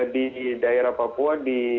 di daerah papua